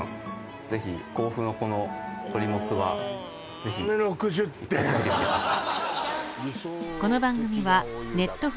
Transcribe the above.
ぜひ甲府のこの鳥もつはぜひ１回食べてみてください